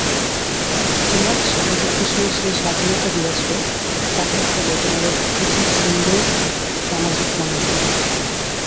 তোমরা সামাজিক বিষয়ে সেই স্বাধীনতা দিয়াছ, তাহার ফলে তোমাদের অতি সুন্দর সামাজিক প্রণালী।